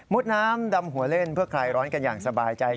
น้ำดำหัวเล่นเพื่อคลายร้อนกันอย่างสบายใจ